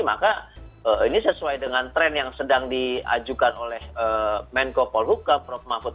maka ini sesuai dengan tren yang sedang diajukan oleh menko polhukam prof mahfud